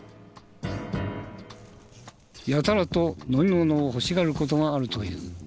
やたらと飲み物を欲しがる事があるという。